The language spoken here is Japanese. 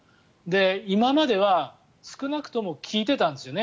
今までは少なくとも効いていたんですよね。